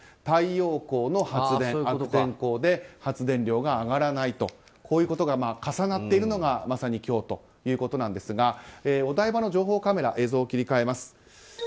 太陽光の発電、悪天候で発電量が上がらないということが重なっているのがまさに今日ということなんですがお台場の情報カメラに切り替えます。